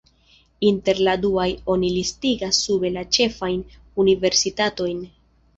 Inter la duaj oni listigas sube la ĉefajn universitatojn.